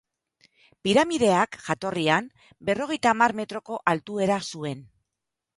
Piramideak, jatorrian, berrogeita hamar metroko altuera zuen.